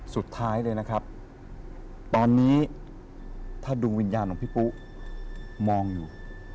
สุดท้ายเลยนะครับตอนนี้ถ้าดวงวิญญาณของพี่ปุ๊มองอยู่